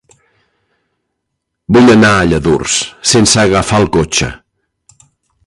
Vull anar a Lladurs sense agafar el cotxe.